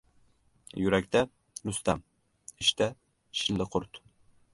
• Yurakda — Rustam, ishda — shilliqurt.